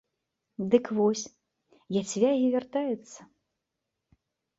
Дык вось, яцвягі вяртаюцца!